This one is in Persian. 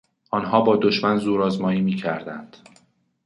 آنها با دشمن زورآزمایی میکردند.